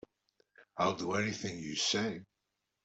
I'll do anything you say.